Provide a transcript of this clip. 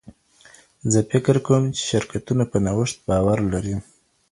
زه فکر کوم چې شرکتونه په نوښت باور لري.